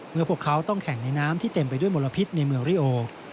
พวกเขาต้องแข่งในน้ำที่เต็มไปด้วยมลพิษในเมืองริโอ